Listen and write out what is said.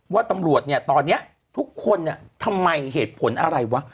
ว่าตำรวจเนี่ยตอนนี้ทุกคนเนี่ยทำไมเหตุผลอะไรวะ